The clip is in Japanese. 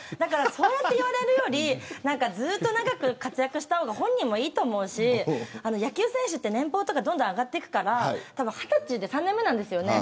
そう言われるよりずっと長く活躍した方が本人もいいと思うし、野球選手は年俸どんどん上がっていくから２０歳って３年目ですよね